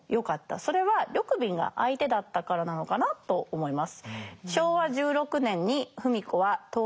それは緑敏が相手だったからなのかなと思います。